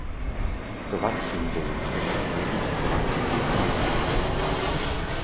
Tvar symbolu lze odvodit z tvaru obětní lžíce.